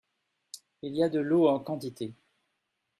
Il y a de l’eau en quantité.